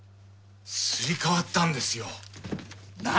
すり替わったんですよ。何！？